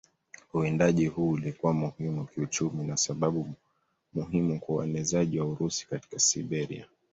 Uwindaji huu ulikuwa muhimu kiuchumi na sababu muhimu kwa uenezaji wa Urusi katika Siberia.